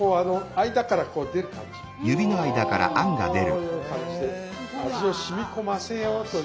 こういう感じで味をしみこませようという。